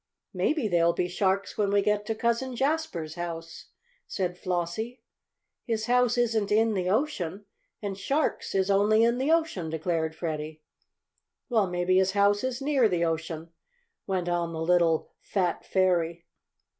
"Maybe there'll be sharks when we get to Cousin Jasper's house," said Flossie. "His house isn't in the ocean, and sharks is only in the ocean," declared Freddie. "Well, maybe his house is near the ocean," went on the little "fat fairy."